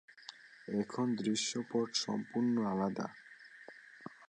এখন দৃশ্যপট সম্পূর্ণ আলাদা।